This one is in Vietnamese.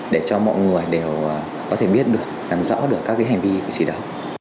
để cho mọi người đều có thể biết được làm rõ được các cái hành vi cử chỉ đó